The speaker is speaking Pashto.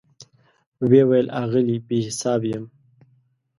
وی ویل آغلې , بي حساب یمه